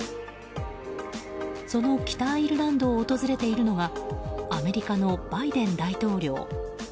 その北アイルランドを訪れているのがアメリカのバイデン大統領。